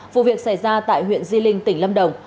vụ việc xảy ra tại huyện di linh tỉnh lâm đồng